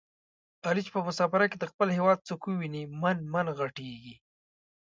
علي چې په مسافرۍ کې د خپل هېواد څوک وویني من من ِغټېږي.